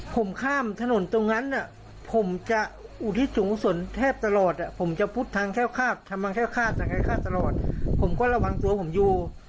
ผมข้ามถนนตรงนั้นน่ะผมจะอุธิศจงศรแทบตลอดผมจะพุทธทางแถวข้าทรังกายข้าตลอดผมก็ระวังตัวผมอยู่